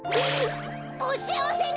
おしあわせに！